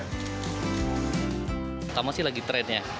pertama sih lagi trendnya